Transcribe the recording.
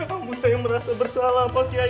ampun saya merasa bersalah pak kiai